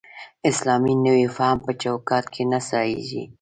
اسلامي نوی فهم په چوکاټ کې نه ځایېږي.